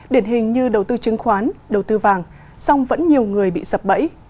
điển hình như đầu tư chứng khoán đầu tư vàng song vẫn nhiều người bị sập bẫy